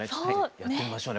やってみましょうね。